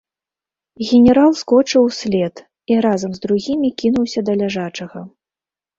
Генерал скочыў услед і разам з другімі кінуўся да ляжачага.